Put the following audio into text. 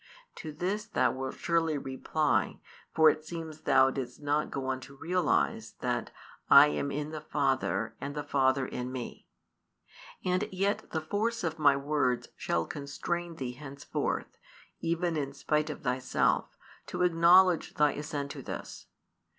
To this thou wilt surely reply: for it seems thou didst not go on to realise that I am in the Father, and the Father in Me. And yet the force of my words shall constrain thee henceforth, even in spite of thyself, to acknowledge thy assent to this.